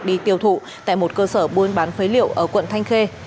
đi tiêu thụ tại một cơ sở buôn bán phế liệu ở quận thanh khê